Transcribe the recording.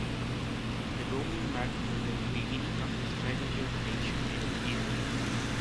This bombing marked the beginning of the "strategy of tension" in Italy.